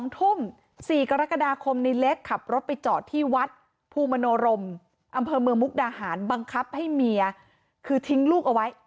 ๒ทุ่ม๔กรกฎาคมในเล็กขับรถไปจอดที่วัดภูมิมโนรมอำเภอเมืองมุกดาหารบังคับให้เมียคือทิ้งลูกเอาไว้